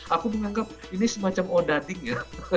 aku menganggap ini semacam odading ya